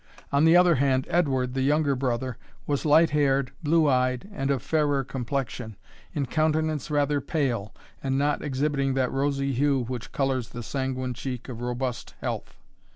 On the other hand, Edward, the younger brother, was light haired, blue eyed, and of fairer complexion, in countenance rather pale, and not exhibiting that rosy hue which colours the sanguine cheek of robust health.